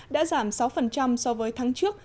đã giảm sáu so với tháng trước